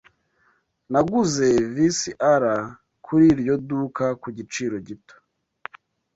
Naguze VCR kuri iryo duka ku giciro gito.